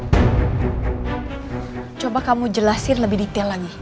hai coba kamu jelasin lebih detail lagi